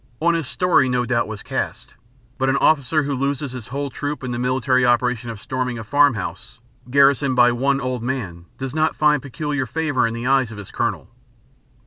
On his story no doubt was cast; but an officer who loses his whole troop in the military operation of storming a farm house garrisoned by one old man does not find peculiar favour in the eyes of his Colonel.